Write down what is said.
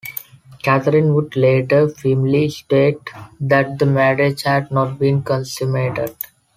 Catherine would later firmly state that the marriage had not been consummated.